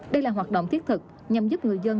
đây là hoạt động thiết thực nhằm giúp người dân